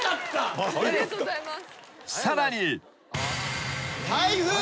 ［さらに］